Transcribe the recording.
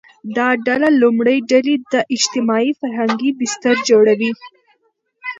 دا ډله لومړۍ ډلې ته اجتماعي – فرهنګي بستر جوړوي